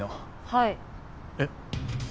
はい。えっ。